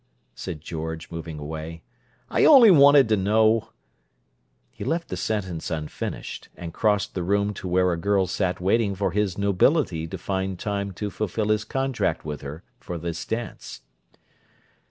said George, moving away. "I only wanted to know—" He left the sentence unfinished, and crossed the room to where a girl sat waiting for his nobility to find time to fulfil his contract with her for this dance.